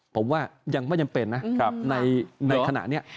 ผมว่ายังไม่จำเป็นนะในขณะนี้